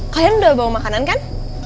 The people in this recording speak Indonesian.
kalian udah bawa makanan kan